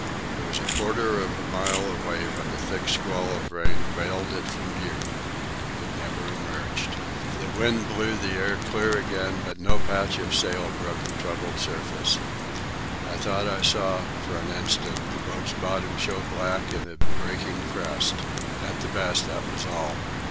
It was a quarter of a mile away when a thick squall of rain veiled it from view. It never emerged. The wind blew the air clear again, but no patch of sail broke the troubled surface. I thought I saw, for an instant, the boat's bottom show black in a breaking crest. At the best, that was all.